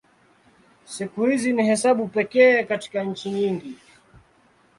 Siku hizi ni hesabu pekee katika nchi nyingi.